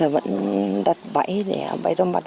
vẫn đặt bẫy bẫy động vật